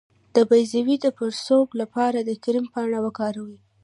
د بیضو د پړسوب لپاره د کرم پاڼه وکاروئ